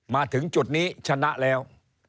มาถึงจุดนี้ชนะแล้ว